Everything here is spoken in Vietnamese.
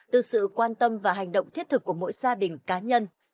từ sự quan tâm và hành động thiết thực của mỗi gia đình cá nhân